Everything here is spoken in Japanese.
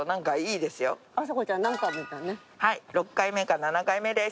はい６回目か７回目です。